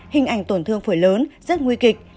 hình ảnh tổn thương phổi lớn rất nguy kịch